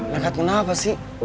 nekat kenapa sih